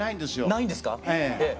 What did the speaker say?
ないんですか？